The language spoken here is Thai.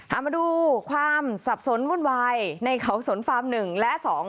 เอามาดูความสับสนวุ่นวายในเขาสนฟาร์มหนึ่งและสอง